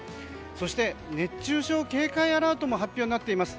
そして、熱中症警戒アラートも発表されています。